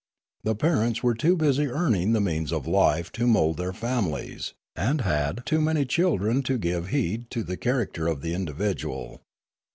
The parents were too busy earning the means of life to mould their fami lies, and had too many children to give heed to the character of the individual.